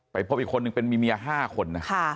พบอีกคนนึงเป็นมีเมีย๕คนนะ